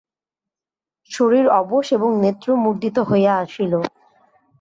শরীর অবশ এবং নেত্র মুদ্রিত হইয়া আসিল।